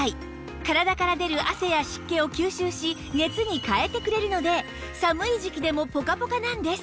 体から出る汗や湿気を吸収し熱に変えてくれるので寒い時期でもポカポカなんです